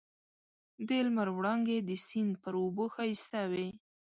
د لمر وړانګې د سیند پر اوبو ښایسته وې.